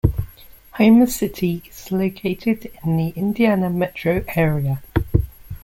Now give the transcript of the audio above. Homer City is located in the Indiana metro area.